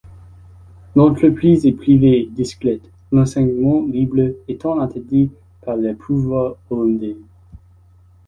L’entreprise est privée et discrète, l’enseignement libre étant interdit par le pouvoir hollandais.